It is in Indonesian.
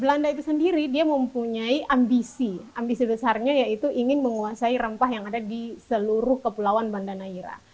belanda itu sendiri mempunyai ambisi ambisi yang besar yaitu ingin menguasai rempah yang ada di seluruh kepulauan banda neira